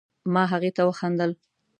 ما هغې ته وخندل